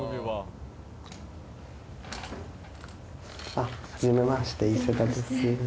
あっはじめまして伊勢田です